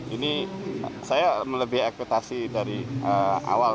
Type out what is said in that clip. ini saya melebih ekspetasi dari awal